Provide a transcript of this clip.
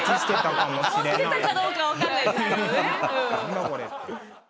思ってたかどうか分かんないですけどね。